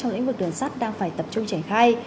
trong lĩnh vực đường sát đang phải tập trung trải khai